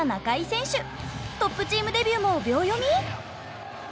トップチームデビューも秒読み？